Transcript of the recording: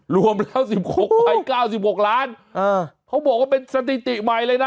รวมแล้วสิบหกใบเก้าสิบหกล้านอ่าเขาบอกว่าเป็นสถิติใหม่เลยน่ะ